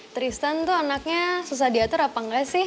tristan tuh anaknya susah diatur apa enggak sih